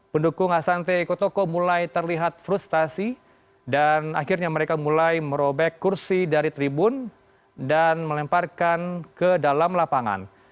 pendukung asante kotoko mulai terlihat frustasi dan akhirnya mereka mulai merobek kursi dari tribun dan melemparkan ke dalam lapangan